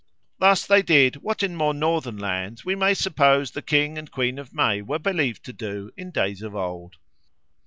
Thus they did what in more northern lands we may suppose the King and Queen of May were believed to do in days of old.